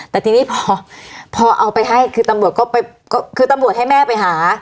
แต่ทีนี้พอเอาไปให้คือตำรวจให้แม่ไปหา